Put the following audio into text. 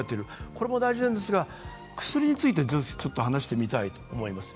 これも大事なんですが、薬についてちょっと話してみたいと思います。